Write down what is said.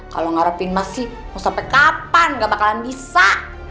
kalau ngarepin emas sih mau sampai kapan gak bakalan bisa